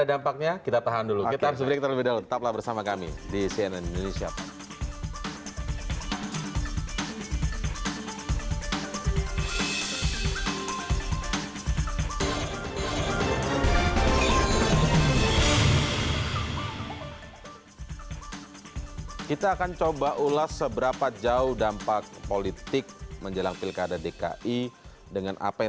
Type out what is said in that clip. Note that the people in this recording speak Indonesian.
apakah ada dampaknya